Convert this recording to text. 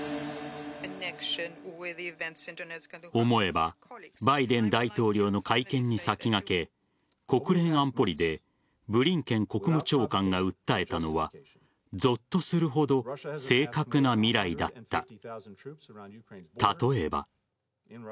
思えばバイデン大統領の会見に先駆け国連安保理でブリンケン国務長官が訴えたのはぞっとするほど正確な未来だった。